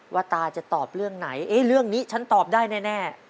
ตาจะตอบเรื่องไหนเรื่องนี้ฉันตอบได้แน่